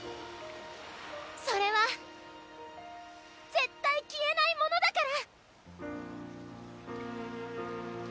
それは絶対消えないものだから。